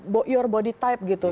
denial tentang jenis tubuh lo